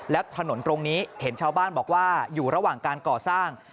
และถนนตรงนี้เห็นชาวบ้านบอกว่าอยู่ระหว่างการก่อสร้าง